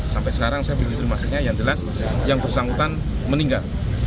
sampai sekarang saya belum informasinya yang jelas yang bersangkutan meninggal